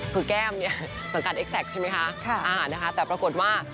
คือแก้มเนี่ยสังกัดเอ็กซักใช่มั้ยคะอ่านะคะแต่ปรากฏว่า